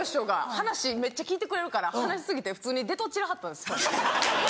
話めっちゃ聞いてくれるから話し過ぎて普通に出とちりはったんです。